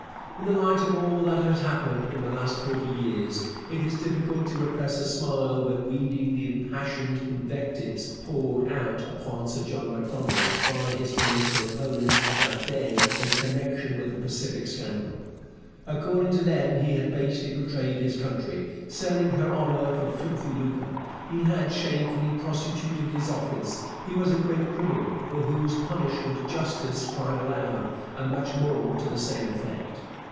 In the light of all that has happened in the last forty years, it is difficult to repress a smile when reading the impassioned invectives poured out upon Sir John Macdonald by his political opponents of that day in connection with the Pacific Scandal. According to them he had basely betrayed his country, selling her honour for filthy lucre; he had shamefully prostituted his office; he was a great criminal for whose punishment justice cried aloud, and much more to the same effect.